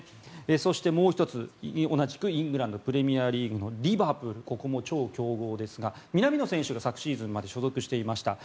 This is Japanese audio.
そして、もう１つ同じくイングランドプレミアリーグの、リバプールここも超強豪ですが南野選手が昨シーズンまで所属していました。